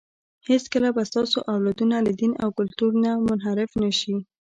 هېڅکله به ستاسو اولادونه له دین او کلتور نه منحرف نه شي.